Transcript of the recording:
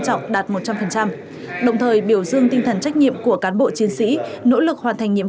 trọng đạt một trăm linh đồng thời biểu dương tinh thần trách nhiệm của cán bộ chiến sĩ nỗ lực hoàn thành nhiệm